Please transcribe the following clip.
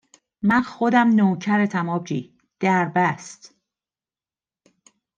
من خودم نوکرتم آبجی دربست